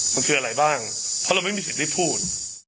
มันคืออะไรบ้างเพราะเราไม่มีสิทธิ์ได้พูด